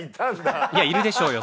いやいるでしょうよ